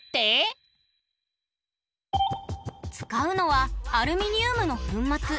使うのはアルミニウムの粉末。